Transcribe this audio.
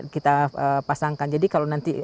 kita pasangkan jadi kalau nanti